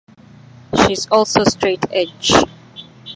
She is also straight edge.